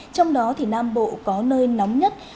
trong đó thì nam bộ có nơi nóng nhất